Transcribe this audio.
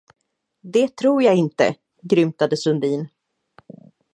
Det tror jag inte, grymtade Sundin.